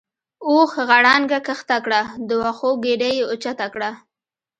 اوښ غړانګه کښته کړه د وښو ګیډۍ یې اوچته کړه.